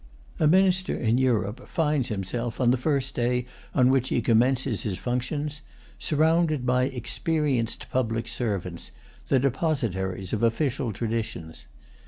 A minister in Europe finds himself, on the first day on which he commences his functions, surrounded by experienced public servants, the depositaries of official traditions.